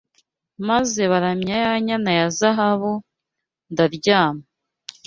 maze baramya ya nyana ya zahabu ndaryama